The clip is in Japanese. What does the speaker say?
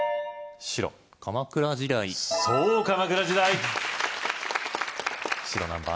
白鎌倉時代そう鎌倉時代白何番？